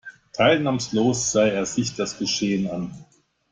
Teilnahmslos sah er sich das Geschehen an.